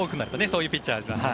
そういうピッチャーは。